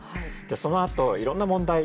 そのあといろんな問題